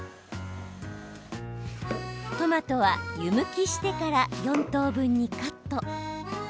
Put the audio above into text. トマトは、湯むきしてから４等分にカット。